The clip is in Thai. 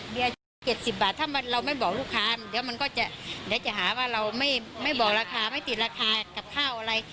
อาชีพละ๗๐บาทถ้าเราไม่บอกลูกค้าเดี๋ยวมันก็จะเดี๋ยวจะหาว่าเราไม่บอกราคาไม่ติดราคากับข้าวอะไร